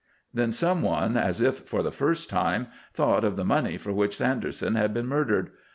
Then some one, as if for the first time, thought of the money for which Sanderson had been murdered.